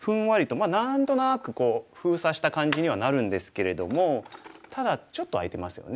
まあ何となく封鎖した感じにはなるんですけれどもただちょっと空いてますよね。